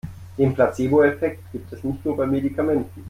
Den Placeboeffekt gibt es nicht nur bei Medikamenten.